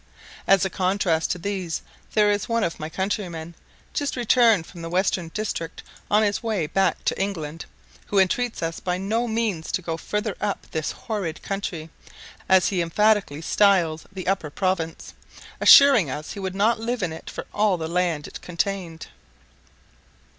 As a contrast to these there is one of my countrymen, just returned from the western district on his way back to England, who entreats us by no means to go further up this horrid country, as he emphatically styles the Upper Province, assuring us he would not live in it for all the land it contained.